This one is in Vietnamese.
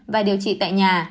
và điều trị tại nhà